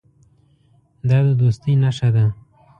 دا د دوستۍ نښه ده.